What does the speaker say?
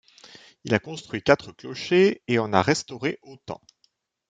Il a construit quatre clochers et en a restauré autant.